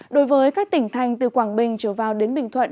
đối với các tỉnh thành từ quảng bình trở vào đến bình thuận